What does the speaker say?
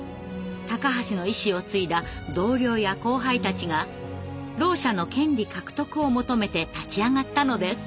高橋の意思を継いだ同僚や後輩たちがろう者の権利獲得を求めて立ち上がったのです。